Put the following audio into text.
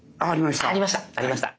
ありました。